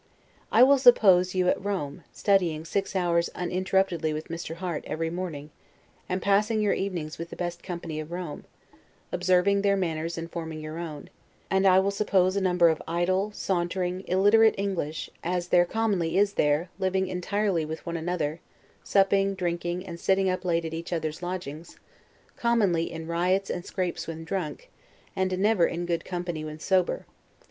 I will suppose you at Rome studying six hours uninterruptedly with Mr. Harte, every morning, and passing your evenings with the best company of Rome, observing their manners and forming your own; and I will suppose a number of idle, sauntering, illiterate English, as there commonly is there, living entirely with one another, supping, drinking, and sitting up late at each other's lodgings; commonly in riots and scrapes when drunk, and never in good company when sober.